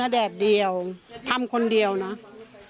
การแก้เคล็ดบางอย่างแค่นั้นเอง